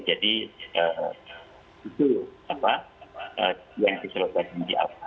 jadi itu yang disuruh dari kita